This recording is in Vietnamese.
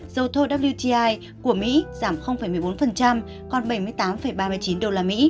dầu thô của mỹ giảm một mươi bốn còn bảy mươi tám ba mươi chín usd